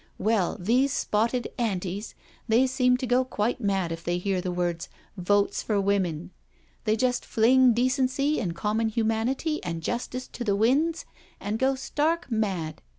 Well, these spotted * Antis,' they seem to go quite mad if they hear the words ' Votes for Women.' They just fling decency and common hu manity and justice to the winds, and go stark mad.